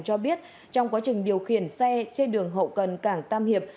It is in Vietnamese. cho biết trong quá trình điều khiển xe trên đường hậu cần cảng tam hiệp